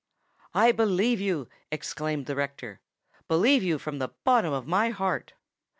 "I believe you," exclaimed the rector,—"believe you from the bottom of my heart!"